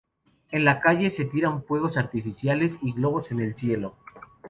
En la calle, se tiran fuegos artificiales y globos en el cielo.